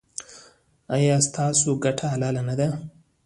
ایا ستاسو ګټه حلاله نه ده؟